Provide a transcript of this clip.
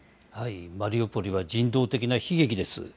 マリウポリは人道的な悲劇です。